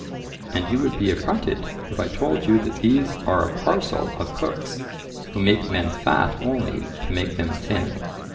And you would be affronted if I told you that these are a parcel of cooks who make men fat only to make them thin.